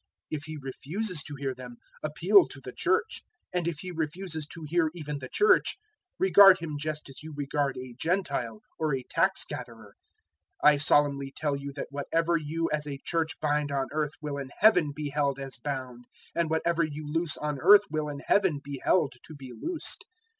018:017 If he refuses to hear them, appeal to the Church; and if he refuses to hear even the Church, regard him just as you regard a Gentile or a tax gatherer. 018:018 I solemnly tell you that whatever you as a Church bind on earth will in Heaven be held as bound, and whatever you loose on earth will in Heaven be held to be loosed.